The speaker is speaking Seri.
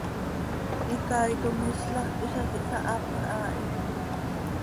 Icaaitom iislajc hizac ihsahapx haa hi.